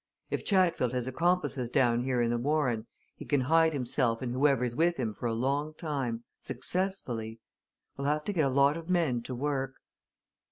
If Chatfield has accomplices down here in the Warren, he can hide himself and whoever's with him for a long time successfully. We'll have to get a lot of men to work."